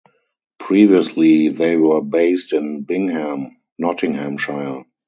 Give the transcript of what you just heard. Previously they were based in Bingham, Nottinghamshire.